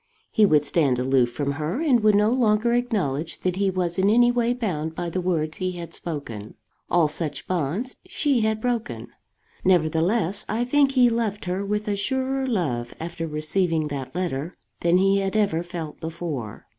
He would stand aloof from her, and would no longer acknowledge that he was in any way bound by the words he had spoken. All such bonds she had broken. Nevertheless I think he loved her with a surer love after receiving that letter than he had ever felt before.